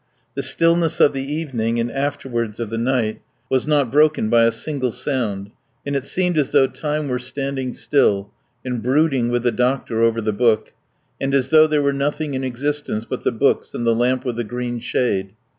The stillness of the evening, and afterwards of the night, was not broken by a single sound, and it seemed as though time were standing still and brooding with the doctor over the book, and as though there were nothing in existence but the books and the lamp with the green shade.